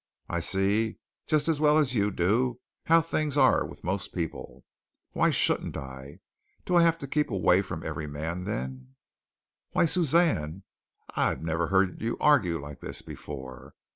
I see just as well as you do how things are with most people. Why shouldn't I? Do I have to keep away from every man, then?" "Why, Suzanne! I never heard you argue like this before.